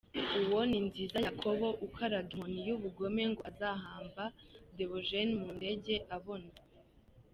Uwo ni Nziza Yakobo ukaraga inkoni y’ubugome ngo azahamba Deogeni Mudenge abona!